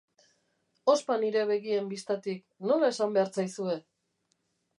Ospa nire begien bistatik, nola esan behar zaizue!